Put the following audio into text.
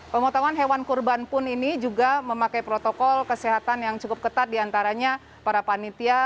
pemotongan hewan kurban pun ini juga memakai protokol kesehatan yang cukup ketat diantaranya para panitia